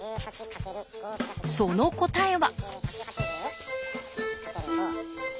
その答えは。